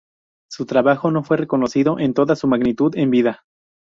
Su trabajo no fue reconocido en toda su magnitud en vida.